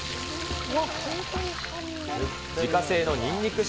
自家製のニンニク塩